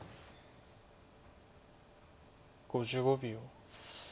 ５５秒。